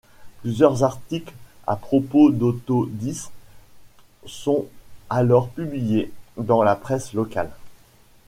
Plusieurs articles à propos d'Otto Dix sont alors publiés dans la presse locale.